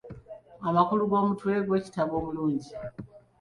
Amakulu g’omutwe gw'ekitabo omulungi.